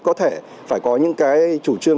có thể phải có những cái chủ trương